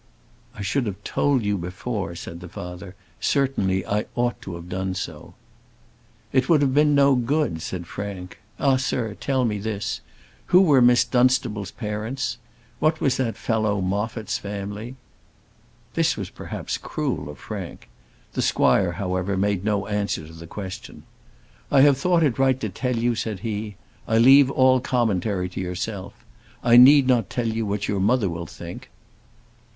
"I should have told you before," said the father; "certainly I ought to have done so." "It would have been no good," said Frank. "Ah, sir, tell me this: who were Miss Dunstable's parents? What was that fellow Moffat's family?" This was perhaps cruel of Frank. The squire, however, made no answer to the question. "I have thought it right to tell you," said he. "I leave all commentary to yourself. I need not tell you what your mother will think."